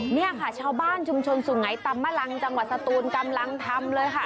นี่ค่ะชาวบ้านชุมชนสุไงตำมะลังจังหวัดสตูนกำลังทำเลยค่ะ